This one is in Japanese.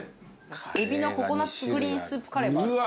海老のココナッツグリーンスープカレー。